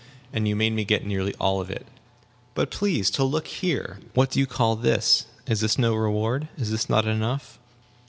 And you made me get nearly all of it. But please to look here. What do you call this? Is this no reward? Is this not enough?